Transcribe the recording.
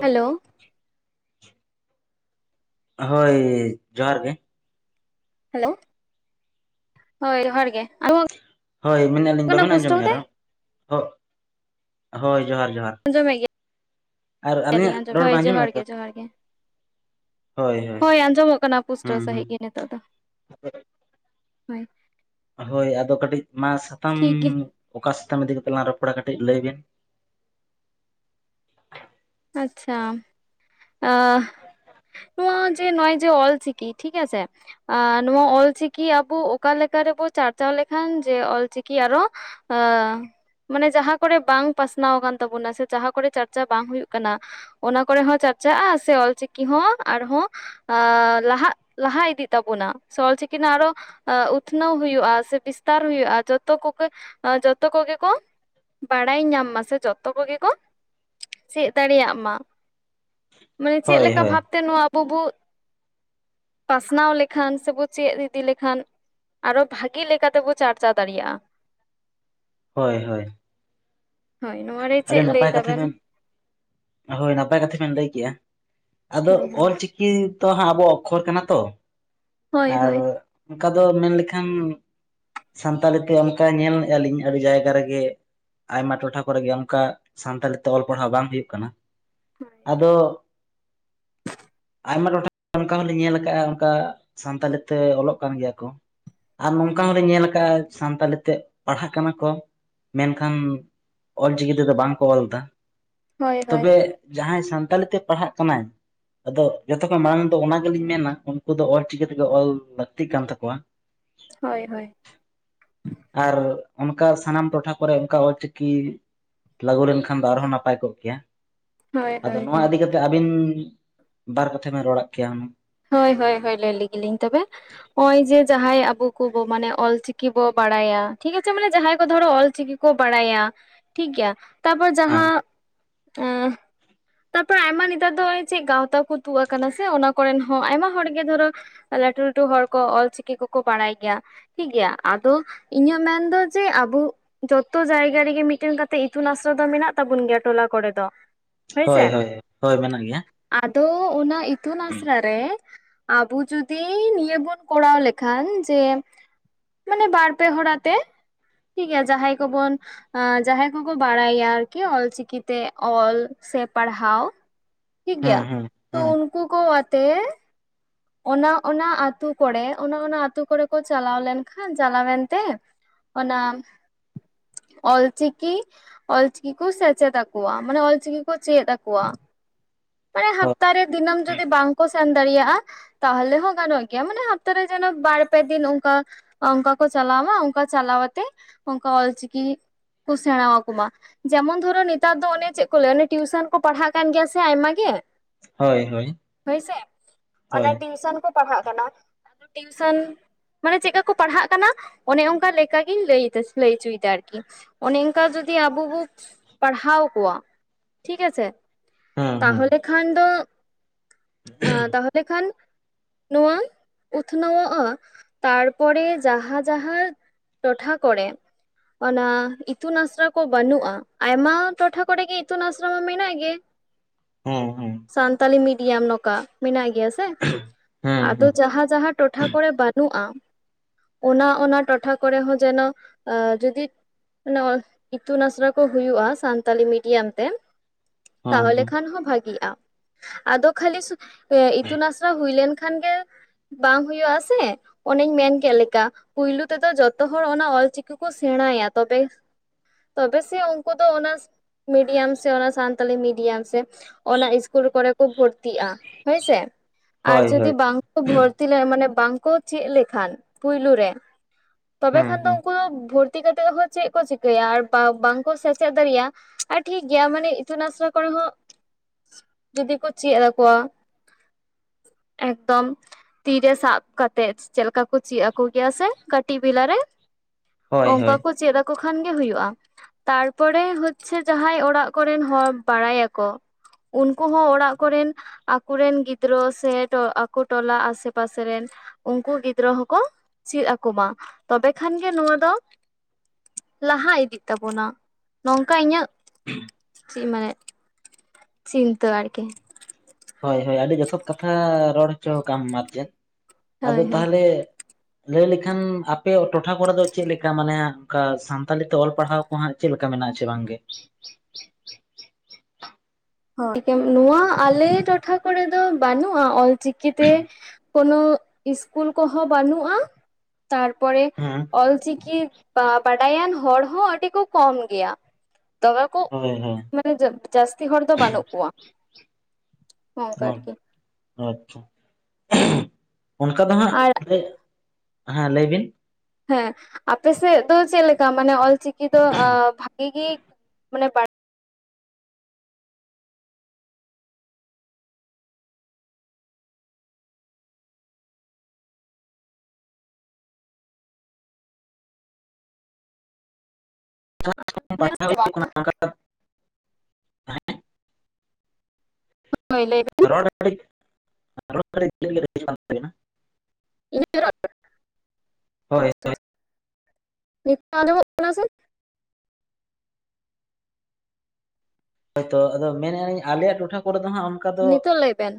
hello ᱦᱳᱭ ᱡᱚᱦᱟᱨ ᱜᱮ ᱦᱮᱞᱳ ᱦᱳᱭ ᱡᱚᱦᱟᱨ ᱜᱮ ᱦᱳᱭ ᱢᱮᱱᱮᱫ ᱟᱞᱤᱧ ᱠᱟᱱᱟ ᱵᱟᱵᱮᱱ ᱯᱩᱥᱴᱟᱹᱣ ᱛᱮ ᱟᱸᱡᱚᱢᱮᱫᱼᱟ ᱨᱚᱲ ᱦᱳᱭ ᱡᱚᱦᱟᱨ ᱡᱚᱦᱟᱨ ᱟᱸᱡᱚᱢ ᱮᱜ ᱟᱨ ᱜᱮᱭᱟ ᱟᱹᱞᱤᱧᱟᱜ ᱞᱤᱧ ᱨᱚᱲ ᱵᱮᱱ ᱦᱳᱭ ᱟᱸᱡᱚᱢᱮᱫᱼᱟ ᱡᱚᱦᱟᱨ ᱛᱚ ᱜᱮ ᱡᱚᱦᱟᱨ ᱜᱮ ᱦᱳᱭ ᱟᱸᱡᱚᱢᱚᱜ ᱠᱟᱱᱟ ᱯᱩᱥᱴᱟᱹᱣ ᱦᱩᱸ ᱦᱩᱸ ᱥᱟᱺᱦᱤᱡ ᱜᱮ ᱱᱤᱛ ᱚᱜ ᱫᱚ ᱦᱳᱭ ᱦᱳᱭ ᱟᱫᱚ ᱠᱟᱹᱴᱤᱡ ᱢᱟ ᱥᱟᱛᱟᱢ ᱴᱷᱤᱠ ᱜᱮ ᱚᱠᱟ ᱥᱟᱛᱟᱢ ᱤᱫᱤ ᱠᱟᱛᱮᱜ ᱞᱟᱝ ᱨᱚᱯᱚᱲᱟ ᱠᱟᱹᱴᱤᱡ ᱞᱟᱹᱭ ᱵᱤᱱ ᱟᱪᱪᱷᱟ ᱱᱚᱣᱟ ᱡᱮ ᱱᱚᱼᱚᱭ ᱡᱮ ᱚᱞ ᱪᱤᱠᱤ ᱴᱷᱤᱠ ᱟᱪᱷᱮ ᱟᱨ ᱱᱚᱣᱟ ᱚᱞ ᱪᱤᱠᱤ ᱟᱵᱚ ᱚᱠᱟ ᱞᱮᱠᱟ ᱨᱮᱵᱚ ᱪᱟᱨᱪᱟᱣ ᱞᱮᱠᱷᱟᱱ ᱡᱮ ᱚᱞ ᱪᱤᱠᱤ ᱟᱨᱚ ᱢᱟᱱᱮ ᱡᱟᱦᱟᱸ ᱠᱚᱨᱮ ᱵᱟᱝ ᱯᱟᱥᱱᱟᱣ ᱟᱠᱟᱱ ᱛᱟᱵᱚᱱᱟ ᱥᱮ ᱡᱟᱦᱟᱸ ᱠᱚᱨᱮ ᱪᱟᱨᱪᱟᱣ ᱵᱟᱝ ᱦᱩᱭᱩᱜ ᱠᱟᱱᱟ ᱚᱱᱟ ᱠᱚᱨᱮ ᱦᱚᱸ ᱪᱟᱨᱪᱟᱜᱼᱟ ᱥᱮ ᱚᱞ ᱪᱤᱞᱤ ᱦᱚᱸ ᱟᱨᱦᱚᱸ ᱞᱟᱦᱟᱜ ᱞᱟᱦᱟ ᱤᱫᱤᱜ ᱛᱟᱵᱚᱱᱟ ᱥᱮ ᱚᱞ ᱪᱤᱠᱤ ᱱᱟᱜ ᱟᱨᱷᱚ ᱩᱛᱱᱟᱹᱣ ᱦᱩᱭᱩᱜᱼᱟ ᱥᱮ ᱵᱤᱥᱛᱟᱨ ᱦᱩᱭᱩᱜᱼᱟ ᱡᱚᱛᱚ ᱠᱚᱜᱮ ᱡᱚᱛᱚ ᱠᱚᱜᱮ ᱠᱚ ᱵᱟᱲᱟᱭ ᱧᱟᱢ ᱢᱟ ᱥᱮ ᱡᱚᱛᱚ ᱠᱚᱜᱮ ᱠᱚ ᱪᱮᱫ ᱫᱟᱲᱮᱭᱟᱜ ᱢᱟ ᱢᱟᱱᱮ ᱪᱮᱫ ᱦᱳᱭ ᱞᱮᱠᱟ ᱦᱳᱭ ᱵᱷᱟᱵ ᱛᱮ ᱱᱚᱣᱟ ᱟᱵᱚ ᱵᱚ ᱯᱟᱥᱱᱟᱣ ᱞᱮᱠᱷᱟᱱ ᱥᱮ ᱵᱚ ᱪᱮᱫ ᱤᱫᱤ ᱞᱮᱠᱷᱟᱱ ᱟᱨᱚ ᱵᱷᱟᱜᱮ ᱞᱮᱠᱟ ᱛᱮᱵᱚ ᱪᱟᱨᱪᱟᱣ ᱫᱟᱲᱮᱭᱟᱜᱼᱟ ᱦᱳᱭ ᱦᱳᱭ ᱦᱳᱭ ᱱᱚᱣᱟ ᱨᱮ ᱟᱹᱰᱤ ᱱᱟᱯᱟᱭ ᱠᱟᱛᱷᱟ ᱵᱮᱱ ᱦᱳᱭ ᱱᱟᱯᱟᱭ ᱠᱟᱛᱷᱟ ᱵᱮᱱ ᱞᱟᱹᱭ ᱠᱮᱜᱼᱟ ᱟᱫᱚ ᱦᱳᱭ ᱦᱳᱭ ᱚᱞ ᱪᱤᱠᱤ ᱪᱤᱠᱤ ᱛᱚ ᱦᱟᱸᱜ ᱟᱵᱚᱣᱟᱜ ᱚᱠᱠᱷᱚᱨ ᱠᱟᱱᱟ ᱛᱚ ᱟᱨ ᱦᱳᱭ ᱚᱱᱠᱟ ᱫᱚ ᱢᱮᱱ ᱞᱮᱠᱷᱟᱱ ᱥᱟᱱᱛᱟᱞᱤ ᱛᱮ ᱚᱱᱠᱟ ᱧᱮᱞᱮᱫᱼᱟ ᱞᱤᱧ ᱟᱹᱰᱤ ᱡᱟᱭᱜᱟ ᱨᱮᱜᱮ ᱟᱭᱢᱟ ᱴᱚᱴᱷᱟ ᱠᱚᱨᱮ ᱜᱮ ᱚᱱᱠᱟ ᱥᱟᱱᱛᱟᱞᱤ ᱛᱮ ᱚᱞ ᱯᱟᱲᱦᱟᱣ ᱵᱟᱝ ᱦᱩᱭᱩᱜ ᱠᱟᱱᱟ ᱦᱳᱭ ᱟᱫᱚ ᱟᱭᱢᱟ ᱴᱚᱴᱷᱟ ᱚᱱᱠᱟ ᱦᱚᱸᱞᱤᱧ ᱧᱮᱞ ᱟᱠᱟᱫᱼᱟ ᱚᱱᱠᱟ ᱥᱟᱱᱛᱟᱞᱤ ᱛᱮ ᱚᱞᱚᱜ ᱠᱟᱱ ᱜᱮᱭᱟ ᱠᱚ ᱟᱨ ᱱᱚᱝᱠᱟ ᱦᱚᱸ ᱞᱤᱧ ᱧᱮᱞ ᱟᱠᱟᱜᱼᱟ ᱥᱟᱱᱛᱟᱞᱤ ᱛᱮ ᱯᱟᱲᱦᱟᱜ ᱠᱟᱱᱟ ᱠᱚ ᱢᱮᱱ ᱠᱷᱟᱱ ᱚᱞ ᱪᱤᱠᱤ ᱛᱮᱫᱚ ᱵᱟᱝ ᱠᱚ ᱚᱞ ᱮᱫᱟ ᱦᱳᱭ ᱦᱳᱭ ᱛᱚᱵᱮ ᱡᱟᱦᱟᱸᱭ ᱥᱟᱱᱛᱟᱞᱤ ᱛᱮ ᱯᱟᱲᱦᱟᱜ ᱠᱟᱱᱟᱭ ᱟᱫᱚ ᱡᱚᱛᱚ ᱠᱷᱚᱱ ᱢᱟᱲᱟᱝ ᱫᱚ ᱚᱱᱟ ᱜᱮᱞᱤᱧ ᱢᱮᱱᱟ ᱩᱱᱠᱩ ᱫᱚ ᱚᱞ ᱪᱤᱠᱤ ᱛᱮᱜᱮ ᱚᱞ ᱞᱟᱹᱠᱛᱤᱜ ᱠᱟᱱ ᱛᱟᱠᱚᱣᱟ ᱦᱳᱭ ᱦᱳᱭ ᱟᱨ ᱚᱱᱠᱟ ᱥᱟᱱᱟᱢ ᱴᱚᱴᱷᱟ ᱠᱚᱨᱮ ᱚᱱᱠᱟ ᱚᱞ ᱪᱤᱠᱤ ᱞᱟᱹᱜᱩ ᱞᱮᱱ ᱠᱷᱟᱱ ᱫᱚ ᱟᱨᱦᱚᱸ ᱱᱟᱯᱟᱭ ᱠᱚᱜ ᱜᱮᱭᱟ ᱦᱳᱭ ᱟᱫᱚ ᱦᱳᱭ ᱱᱚᱣᱟ ᱦᱳᱭ ᱤᱫᱤ ᱠᱟᱛᱮ ᱟᱹᱵᱤᱱ ᱵᱟᱨ ᱠᱟᱛᱷᱟ ᱵᱮᱱ ᱨᱚᱲᱟᱜ ᱠᱮᱭᱟ ᱦᱩᱱᱟᱹᱝ ᱦᱳᱭ ᱦᱳᱭ ᱦᱳᱭ ᱞᱟᱹᱭ ᱞᱮᱜᱮ ᱞᱤᱧ ᱛᱚᱵᱮ ᱱᱚᱜᱼᱚᱭ ᱡᱮ ᱡᱟᱦᱟᱸᱭ ᱟᱵᱚ ᱠᱚᱵᱚ ᱢᱟᱱᱮ ᱚᱞ ᱪᱤᱠᱤ ᱵᱚ ᱵᱟᱲᱟᱭᱟ ᱴᱷᱤᱠ ᱟᱪᱷᱮ ᱢᱟᱱᱮ ᱡᱟᱦᱟᱸᱭ ᱠᱚ ᱫᱷᱚᱨᱚ ᱚᱞ ᱪᱤᱠᱤ ᱠᱚ ᱵᱟᱲᱟᱭᱟ ᱴᱷᱤᱠ ᱜᱮᱭᱟ ᱛᱟᱨᱯᱚᱨ ᱦᱮᱸ ᱡᱟᱦᱟᱸ ᱛᱟᱯᱚᱨ ᱟᱭᱢᱟ ᱱᱮᱛᱟᱨ ᱫᱚ ᱪᱮᱫ ᱜᱟᱶᱛᱟ ᱠᱚ ᱛᱩᱫ ᱟᱠᱟᱱᱟ ᱥᱮ ᱚᱱᱟ ᱠᱚᱨᱮᱱ ᱦᱚᱸ ᱟᱭᱢᱟ ᱦᱚᱲ ᱜᱮ ᱫᱷᱚᱨᱚ ᱞᱟᱹᱴᱩ ᱞᱟᱹᱴᱩ ᱦᱚᱲ ᱠᱚ ᱚᱞ ᱪᱤᱞᱤ ᱠᱚᱠᱚ ᱵᱟᱲᱟᱭ ᱜᱮᱭᱟ ᱴᱷᱤᱠ ᱜᱮᱭᱟ ᱟᱫᱚ ᱤᱧᱟᱹᱜ ᱢᱮᱱ ᱫᱚ ᱡᱮ ᱟᱵᱚ ᱡᱚᱛᱚ ᱡᱟᱭᱜᱟ ᱨᱮᱜᱮ ᱢᱤᱫ ᱴᱮᱱ ᱠᱟᱛᱮᱜ ᱤᱛᱩᱱ ᱟᱥᱲᱟ ᱫᱚ ᱢᱮᱱᱟᱜ ᱛᱟᱵᱚᱱ ᱜᱮᱭᱟ ᱴᱚᱞᱟ ᱠᱚᱨᱮ ᱫᱚ ᱦᱳᱭᱥᱮ ᱦᱳᱭ ᱦᱳᱭ, ᱦᱳᱭ ᱢᱮᱱᱟᱜ ᱜᱮᱭᱟ ᱟᱫᱚ ᱚᱱᱟ ᱤᱛᱩᱱ ᱟᱥᱲᱟ ᱨᱮ ᱟᱵᱚ ᱡᱩᱫᱤ ᱱᱤᱭᱟᱹ ᱵᱚᱱ ᱠᱚᱨᱟᱣ ᱞᱮᱠᱷᱟᱱ ᱡᱮ ᱢᱟᱱᱮ ᱵᱟᱨ ᱯᱮ ᱦᱚᱲ ᱟᱛᱮ ᱴᱷᱤᱠ ᱜᱮᱭᱟ ᱡᱟᱦᱟᱸᱭ ᱠᱚᱵᱚᱱ ᱡᱟᱦᱟᱸᱭ ᱠᱚᱠᱚ ᱵᱟᱲᱟᱭᱟ ᱟᱨᱠᱤ ᱚᱞ ᱪᱤᱠᱤ ᱛᱮ ᱚᱞ ᱥᱮ ᱯᱟᱲᱦᱟᱣ ᱴᱷᱤᱠ ᱦᱮᱸ ᱜᱮᱭᱟ ᱦᱮᱸ ᱛᱚ ᱦᱮᱸ ᱩᱱᱠᱩ ᱠᱚ ᱟᱛᱮ ᱚᱱᱟ ᱚᱱᱟ ᱟᱹᱛᱩ ᱠᱚᱨᱮ ᱚᱱᱟ ᱚᱱᱟ ᱟᱹᱛᱩ ᱠᱚᱨᱮ ᱠᱚ ᱪᱟᱞᱟᱣ ᱞᱮᱱ ᱠᱷᱟᱱ ᱪᱟᱞᱟᱣᱮᱱ ᱛᱮ ᱚᱱᱟ ᱚᱞ ᱪᱤᱠᱤ ᱚᱞ ᱪᱤᱠᱤ ᱠᱚ ᱥᱮᱪᱮᱫ ᱟᱠᱚᱣᱟ ᱢᱟᱱᱮ ᱚᱞ ᱪᱤᱠᱤ ᱠᱚ ᱪᱮᱫ ᱟᱠᱚᱣᱟ ᱢᱟᱱᱮ ᱦᱳᱭ ᱦᱟᱯᱛᱟ ᱨᱮ ᱫᱤᱱᱟᱹᱢ ᱡᱩᱫᱤ ᱵᱟᱝ ᱠᱚ ᱥᱮᱱ ᱫᱟᱲᱮᱭᱟᱜᱼᱟ ᱛᱟᱦᱚᱞᱮ ᱦᱚᱸ ᱜᱟᱱᱚᱜ ᱜᱮᱭᱟ ᱢᱟᱱᱮ ᱦᱟᱯᱛᱟ ᱨᱮ ᱡᱮᱱᱚ ᱵᱟᱨ ᱯᱮ ᱫᱤᱱ ᱚᱱᱠᱟ ᱚᱱᱠᱟ ᱠᱚ ᱪᱟᱞᱟᱣᱢᱟ ᱚᱱᱠᱟ ᱪᱟᱞᱟᱣᱛᱮ ᱚᱱᱠᱟ ᱚᱞᱪᱤᱠᱤ ᱠᱚ ᱥᱮᱬᱟ ᱟᱠᱚᱢᱟ ᱡᱮᱢᱚᱱ ᱫᱷᱚᱨᱚ ᱱᱮᱛᱟᱨ ᱫᱚ ᱚᱱᱮ ᱪᱮᱫ ᱠᱚ ᱞᱟᱹᱭᱟ ᱚᱱᱮ ᱴᱤᱭᱩᱥᱚᱱ ᱠᱚ ᱯᱟᱲᱦᱟᱜ ᱠᱟᱱ ᱜᱮᱭᱟ ᱥᱮ ᱟᱭᱢᱟ ᱜᱮ ᱦᱳᱭ ᱦᱳᱭ ᱦᱳᱭ ᱚᱱᱮ ᱴᱤᱩᱥᱚᱱ ᱠᱚ ᱯᱟᱲᱦᱟᱜ ᱠᱟᱱᱟ ᱟᱫᱚ ᱴᱤᱩᱥᱚᱱ ᱢᱟᱱᱮ ᱪᱮᱫᱠᱟ ᱠᱚ ᱯᱟᱲᱦᱟᱜ ᱠᱟᱱᱟ ᱚᱱᱮ ᱚᱱᱠᱟ ᱞᱮᱠᱟ ᱜᱤᱧ ᱞᱟᱹᱭᱫᱟ ᱞᱟᱹᱭᱪᱚᱭᱮᱫᱟ ᱟᱨᱠᱤ ᱚᱱᱮ ᱚᱱᱠᱟ ᱡᱩᱫᱤ ᱟᱵᱚ ᱵᱚ ᱯᱟᱲᱦᱟᱣ ᱠᱚᱣᱟ ᱴᱷᱤᱠ ᱟᱪᱷᱮ ᱦᱮᱸ ᱦᱮᱸ ᱛᱟᱦᱚᱞᱮ ᱠᱷᱟᱱ ᱫᱚ ᱛᱟᱦᱚᱞᱮ ᱠᱷᱟᱱ ᱱᱚᱣᱟ ᱩᱛᱱᱟᱹᱣᱚᱜᱼᱟ ᱛᱟᱨᱯᱚᱨᱮ ᱡᱟᱦᱟᱸ ᱡᱟᱦᱟᱸ ᱴᱚᱴᱷᱟ ᱠᱚᱨᱮ ᱚᱱᱟ ᱤᱛᱩᱱ ᱟᱥᱲᱟ ᱠᱚ ᱵᱟᱹᱱᱩᱜᱼᱟ ᱟᱭᱢᱟ ᱴᱚᱴᱷᱟ ᱠᱚᱨᱮᱜ ᱜᱮ ᱤᱛᱩᱱ ᱟᱥᱲᱟ ᱢᱟ ᱢᱮᱱᱟᱜ ᱜᱮ ᱦᱮᱸ ᱦᱮᱸ ᱥᱟᱱᱛᱟᱞᱤ ᱢᱤᱰᱤᱭᱟᱢ ᱱᱚᱝᱠᱟ ᱢᱮᱱᱟᱜ ᱜᱮᱭᱟ ᱥᱮ ᱦᱮᱸ ᱟᱫᱚ ᱦᱮᱸ ᱡᱟᱦᱟᱸ ᱡᱟᱦᱟᱸ ᱴᱚᱴᱷᱟ ᱠᱚᱨᱮ ᱵᱟᱹᱱᱩᱜᱼᱟ ᱚᱱᱟ ᱚᱱᱟ ᱴᱚᱴᱷᱟ ᱠᱚᱨᱮ ᱦᱚᱸ ᱡᱮᱱᱚ ᱡᱚᱫᱤ ᱢᱟᱱᱮ ᱚᱞ ᱤᱛᱩᱱ ᱟᱥᱲᱟ ᱠᱚ ᱦᱩᱭᱩᱜᱼᱟ ᱥᱟᱱᱛᱟᱞᱤ ᱢᱤᱰᱤᱭᱟᱢ ᱛᱮ ᱦᱮᱸ ᱛᱟᱦᱚᱞᱮ ᱦᱮᱸ ᱠᱷᱟᱱ ᱦᱚᱸ ᱵᱷᱟᱜᱤᱜᱼᱟ ᱟᱫᱚ ᱠᱷᱟᱹᱞᱤ ᱥᱩ ᱤᱛᱩᱱ ᱟᱥᱲᱟ ᱦᱩᱭᱞᱱᱠᱷᱟᱱ ᱜᱮ ᱵᱟᱝ ᱦᱩᱭᱩᱜ ᱟᱥᱮ ᱚᱱᱮᱧ ᱢᱮᱱᱠᱮᱫ ᱞᱮᱠᱟ ᱯᱩᱭᱞᱩ ᱛᱮᱫᱚ ᱡᱚᱛᱚ ᱦᱚᱲ ᱚᱱᱟ ᱚᱞᱪᱤᱠᱤ ᱠᱚ ᱥᱮᱬᱟᱭᱟ ᱛᱚᱵᱮ ᱛᱚᱵᱮ ᱥᱮ ᱩᱱᱠᱩ ᱫᱚ ᱚᱱᱟ ᱢᱤᱰᱤᱭᱟᱢ ᱥᱮ ᱚᱱᱟ ᱥᱟᱱᱛᱟᱞᱤ ᱢᱤᱰᱤᱭᱟᱢ ᱥᱮ ᱚᱱᱟ ᱤᱥᱠᱩᱞ ᱠᱚᱨᱮ ᱠᱚ ᱵᱷᱩᱨᱛᱤᱜᱼᱟ ᱦᱳᱭᱥᱮ ᱟᱨ ᱦᱳᱭ ᱦᱳᱭ ᱡᱩᱫᱤ ᱵᱟᱝᱠᱚ ᱵᱷᱚᱨᱛᱤᱜ [unintelligible] ᱢᱟᱱᱮ ᱵᱟᱝᱠᱚ ᱪᱮᱫ ᱞᱮᱠᱷᱟᱱ ᱯᱩᱭᱞᱩ ᱨᱮ ᱛᱚᱵᱮ ᱠᱷᱟᱱ ᱦᱮᱸ ᱫᱚ ᱦᱮᱸ ᱩᱱᱠᱩ ᱫᱚ ᱵᱷᱚᱛᱤ ᱵᱷᱩᱨᱛᱤ ᱠᱟᱛᱮᱫ ᱦᱚᱸ ᱪᱮᱫ ᱠᱚ ᱪᱤᱠᱟᱹᱭᱟ ᱟᱨ ᱵᱟᱝᱠᱚ ᱥᱮᱪᱮᱫ ᱫᱟᱲᱮᱭᱟᱜᱼᱟ ᱟᱨ ᱴᱷᱤᱠ ᱜᱮᱭᱟ ᱢᱟᱱᱮ ᱤᱛᱩᱱ ᱟᱥᱲᱟ ᱠᱚᱨᱮ ᱦᱚᱸ ᱡᱩᱫᱤ ᱠᱚ ᱪᱮᱫ ᱟᱠᱚᱣᱟ ᱮᱠᱫᱚᱢ ᱛᱤᱨᱮ ᱥᱟᱵ ᱠᱟᱛᱮᱜ ᱪᱮᱫ ᱞᱮᱠᱟ ᱠᱚ ᱪᱮᱫ ᱟᱠᱚ ᱜᱮᱭᱟ ᱥᱮ ᱠᱟᱹᱴᱤᱡ ᱵᱮᱞᱟ ᱨᱮ ᱦᱳᱭ ᱚᱱᱠᱟ ᱦᱳᱭ ᱠᱚ ᱪᱮᱫ ᱠᱚ ᱠᱷᱟᱱ ᱜᱮ ᱦᱩᱭᱩᱜᱼᱟ ᱛᱟᱨᱯᱚᱨᱮ ᱦᱚᱪᱪᱷᱮ ᱡᱟᱦᱟᱸᱭ ᱚᱲᱟᱜ ᱠᱚᱨᱮᱱ ᱦᱚᱲ ᱵᱟᱲᱟᱭᱟᱠᱚ ᱩᱱᱠᱩ ᱦᱚᱸ ᱚᱲᱟᱜ ᱠᱚᱨᱮᱱ ᱟᱠᱚᱨᱮᱱ ᱜᱤᱫᱽᱨᱟᱹ ᱥᱮ ᱟᱠᱚ ᱴᱚᱞᱟ ᱟᱥᱮ ᱯᱟᱥᱮ ᱨᱮᱱ ᱩᱱᱠᱩ ᱜᱤᱫᱽᱨᱟᱹ ᱦᱚᱸᱠᱚ ᱪᱮᱫ ᱟᱠᱚᱢᱟ ᱛᱚᱵᱮ ᱠᱷᱟᱱ ᱜᱮ ᱱᱚᱣᱟ ᱫᱚ ᱞᱟᱦᱟ ᱤᱫᱤᱜ ᱛᱟᱵᱚᱱᱟ ᱱᱚᱝᱠᱟ ᱤᱧᱟᱹᱜ [inaudible] ᱪᱮᱫ ᱢᱟᱱᱮ ᱪᱤᱱᱛᱟᱹ ᱟᱨᱠᱤ ᱦᱳᱭ ᱦᱳᱭ ᱟᱹᱰᱤ ᱡᱚᱛᱷᱟᱛ ᱠᱟᱛᱷᱟ ᱨᱚᱲ ᱦᱚᱪᱚ ᱠᱟᱜ ᱟᱢ ᱟᱨ ᱪᱮᱫ ᱟᱫᱚ ᱦᱳᱭ ᱦᱳᱭ ᱛᱟᱦᱚᱞᱮ ᱞᱟᱹᱭ ᱞᱮᱠᱷᱟᱱ ᱟᱯᱮᱭᱟᱜ ᱴᱚᱴᱷᱟ ᱠᱚᱨᱮ ᱫᱚ ᱪᱮᱫ ᱞᱮᱠᱟ ᱢᱟᱱᱮ ᱚᱱᱠᱟ ᱥᱟᱱᱛᱟᱞᱤ ᱛᱮ ᱚᱞ ᱯᱟᱲᱦᱟᱣ ᱠᱚ ᱦᱟᱸᱜ ᱪᱮᱫ ᱞᱮᱠᱟ ᱢᱮᱱᱟᱜᱼᱟ ᱟᱪᱮ ᱵᱟᱝᱜᱮ [inaudible] ᱱᱚᱣᱟ ᱟᱞᱮ ᱴᱚᱴᱷᱟ ᱠᱚᱨᱮ ᱫᱚ ᱵᱟᱹᱱᱩᱜᱼᱟ ᱚᱞᱪᱤᱠᱤᱛᱮ ᱠᱚᱱᱚ ᱤᱥᱠᱩᱞ ᱠᱚᱦᱚᱸ ᱵᱟᱹᱱᱩᱜᱼᱟ ᱛᱟᱨᱯᱚᱨᱮ ᱦᱮᱸ ᱚᱞᱪᱤᱠᱤ ᱵᱟ ᱵᱟᱰᱟᱭᱟᱱ ᱦᱚᱲ ᱦᱚᱸ ᱟᱹᱰᱤ ᱠᱚ ᱠᱚᱢ ᱜᱮᱭᱟ ᱛᱚᱵᱮ ᱠᱚ ᱦᱳᱭ ᱦᱳᱭ ᱢᱟᱱᱮ ᱡᱟᱹᱥᱛᱤ ᱦᱚᱲ ᱫᱚ ᱵᱟᱹᱱᱩᱜ ᱠᱚᱣᱟ ᱚᱱᱠᱟ ᱟᱨᱠᱤ [unintelligible] ᱟᱪᱪᱷᱟ [unintelligible] ᱚᱱᱠᱟ ᱫᱚ ᱦᱟᱸᱜ ᱟᱨ ᱦᱮᱸ ᱞᱟᱹᱭ ᱵᱤᱱ ᱦᱮᱸ ᱟᱯᱮᱥᱮᱫ ᱫᱚ ᱪᱮᱫ ᱞᱮᱠᱟ ᱢᱟᱱᱮ ᱚᱞᱪᱤᱠᱤ ᱫᱚ ᱟᱸ ᱵᱷᱟᱹᱜᱤ ᱜᱮ ᱢᱟᱱᱮ ᱵᱟᱲ ᱵᱟᱲᱟᱭ [unintelligible] ᱦᱳᱭ ᱞᱟᱹᱭ ᱵᱮ [unintelligible] [unintelligible] ᱦᱳᱭ ᱱᱤᱛᱚᱜ ᱟᱸᱡᱚᱢᱚᱜ ᱠᱟᱱᱟ ᱥᱮ ᱦᱳᱭᱛᱚ ᱟᱫᱚ ᱢᱮᱱᱮᱜ ᱟᱹᱧ ᱟᱞᱮᱭᱟᱜ ᱴᱚᱴᱷᱟ ᱠᱚᱨᱮ ᱫᱚ ᱦᱟᱸᱜ ᱟᱢ ᱱᱤᱛᱚᱜ ᱞᱟᱹᱭ ᱵᱮᱱ